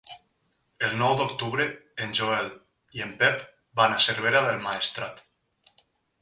El nou d'octubre en Joel i en Pep van a Cervera del Maestrat.